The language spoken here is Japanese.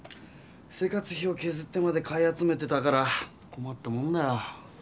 生活費をけずってまで買い集めてたからこまったもんだよ。